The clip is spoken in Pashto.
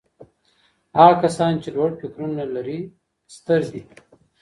هغه کسان چي لوړ فکرونه لري ستر دي.